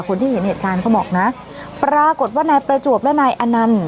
คนที่เห็นเหตุการณ์เขาบอกนะปรากฏว่านายประจวบและนายอนันต์